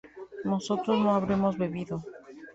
¿nosotros no habremos bebido?